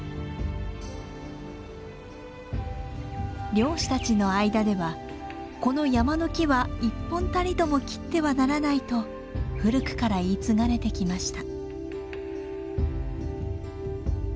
漁師たちの間ではこの山の木は一本たりとも切ってはならないと古くから言い継がれてきました。